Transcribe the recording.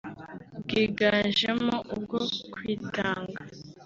bwigajemo ubwo kwitanga